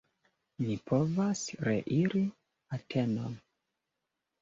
Ni povas reiri Atenon!